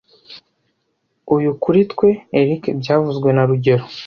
Uyu kuri twe, Eric byavuzwe na rugero